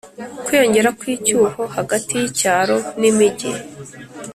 kwiyongera kw'icyuho hagati y'icyaro n'imijyi.